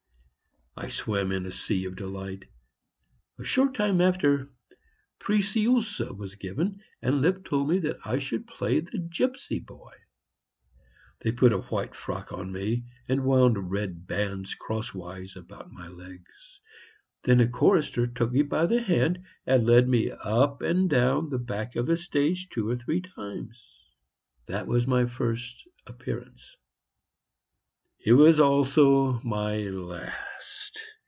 I swam in a sea of delight. A short time after, "Preciosa" was given, and Lipp told me that I could play the gypsy boy. They put a white frock on me and wound red bands crosswise about my legs. Then a chorister took me by the hand and led me up and down the back of the stage two or three times. That was my first appearance. It was also my last.